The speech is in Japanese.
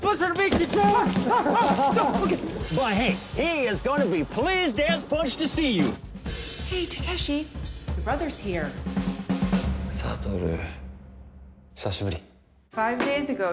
久しぶり。